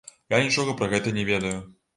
Я нічога пра гэта не ведаю.